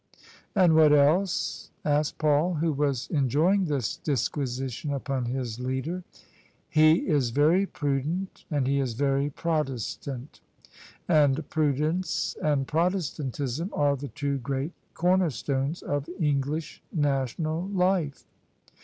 "And what else?" asked Paul, who was enjoying this disquisition upon his leader. " He is very prudent and he is very Protestant: and pru dence and Protestantism are the two great cornerstones of English national life."